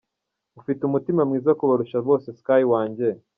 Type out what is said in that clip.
Ufite umutima mwiza kubarusha bose Sky wanjye.